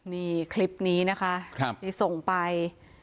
นี่คลิปนี้นะคะที่ส่งไป